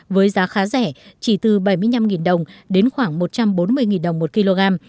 với giá khá rẻ chỉ từ bảy mươi năm đồng đến khoảng một trăm bốn mươi đồng một kg